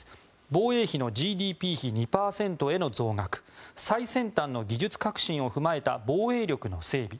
防衛費のＧＤＰ比２％への増額最先端の技術革新を踏まえた防衛力の整備